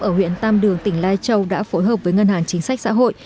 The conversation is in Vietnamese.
ở huyện tam đường tỉnh lai châu đã phối hợp với ngân hàng chính sách xã hội